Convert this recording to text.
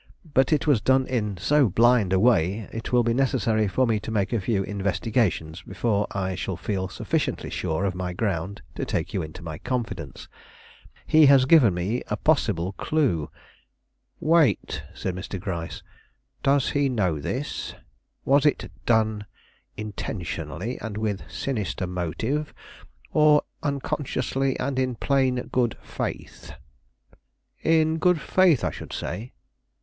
But it was done in so blind a way, it will be necessary for me to make a few investigations before I shall feel sufficiently sure of my ground to take you into my confidence. He has given me a possible clue " "Wait," said Mr. Gryce; "does he know this? Was it done intentionally and with sinister motive, or unconsciously and in plain good faith?" "In good faith, I should say."